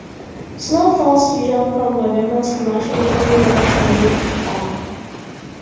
Snow falls usually from November to March in the area of the river.